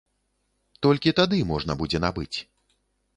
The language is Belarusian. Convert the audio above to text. Толькі тады можна будзе набыць.